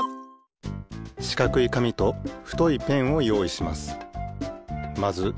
しかくいかみとふといペンをよういします。